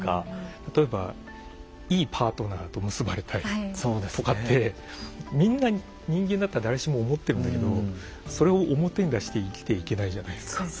例えばいいパートナーと結ばれたいとかってみんな人間だったら誰しも思ってるんだけどそれを表に出して生きていけないじゃないですか。